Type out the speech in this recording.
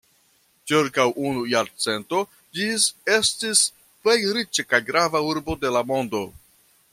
Ĉirkaŭ unu jarcento ĝi estis plej riĉa kaj grava urbo de la mondo.